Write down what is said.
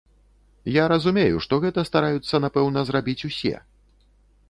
Я разумею, што гэта стараюцца напэўна, зрабіць усе.